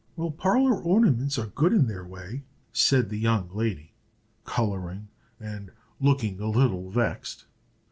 "Well, parlor ornaments are good in their way," said the young lady, coloring, and looking a little vexed.